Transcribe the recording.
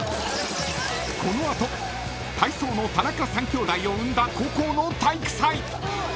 ［この後体操の田中３きょうだいを生んだ高校の体育祭］